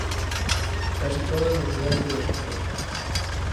Está situada no suroeste do concello.